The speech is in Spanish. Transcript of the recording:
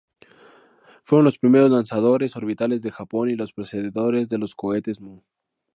Fueron los primeros lanzadores orbitales de Japón y los predecesores de los cohetes Mu.